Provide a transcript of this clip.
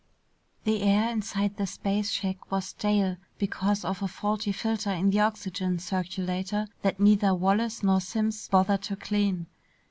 The air inside the space shack was stale because of a faulty filter in the oxygen circulator that neither Wallace nor Simms bothered to clean.